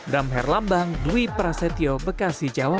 ramher lambang dwi prasetyo bekasi jawa